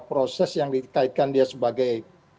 proses yang dikaitkan dia sebagai